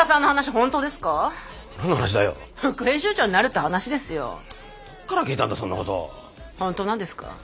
本当なんですか？